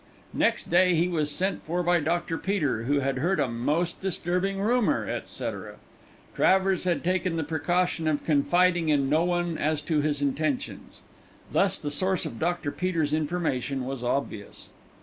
Next day he was sent for by Dr. Peter, who had heard "a most disturbing rumour," etc. Travers had taken the precaution of confiding in no one as to his intentions. Thus the source of Dr. Peter's information was obvious.